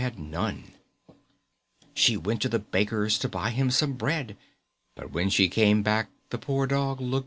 ] She went to the baker's To buy him some bread, But when she came back The poor Dog looked dead.